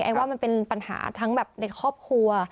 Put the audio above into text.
ว่ามันเป็นปัญหาทั้งแบบในครอบครัว